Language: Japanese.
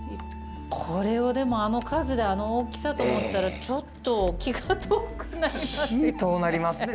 これをでもあの数であの大きさと思ったらちょっと気が遠くなりますね。